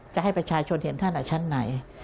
จะให้ประชาชนเห็นท่านชั้นไหน